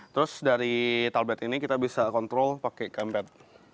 terus dari tablet ini kita bisa control pakai gampad